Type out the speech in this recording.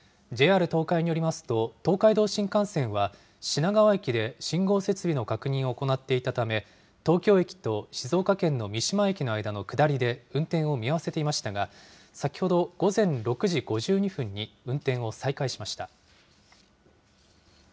ＪＲ東海によりますと、東海道新幹線は、品川駅で信号設備の確認を行っていたため、東京駅と静岡県の三島駅の間の下りで運転を見合わせていましたが、先ほど午前６時５２分に運転を再開しました。